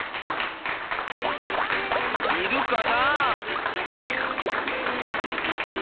いるかなあ？